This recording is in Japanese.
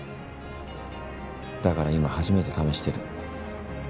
だから今初めて試してる。